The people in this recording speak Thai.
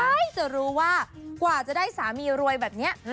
ใครจะรู้ว่ากว่าจะได้สามีรวยแบบนี้